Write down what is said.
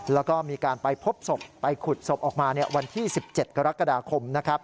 แล้วก็มีการไปพบศพไปขุดศพออกมาวันที่๑๗กรกฎาคมนะครับ